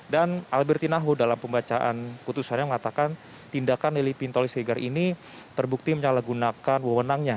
dan alberti nahu dalam pembacaan kutusannya mengatakan tindakan lili pintauli siregar ini terbukti menyalahgunakan wewenangnya